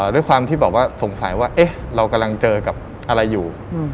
ด้วยความที่บอกว่าสงสัยว่าเรากำลังเจอกับอะไรอยู่